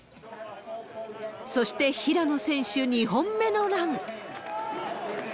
そして平野選手、２本目のラン。